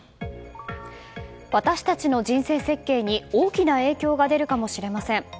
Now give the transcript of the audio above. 私たちの人生設計に大きな影響が出るかもしれません。